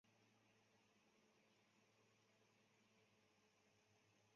国王和总统都有动机会去剥削国家以追求自己的利益。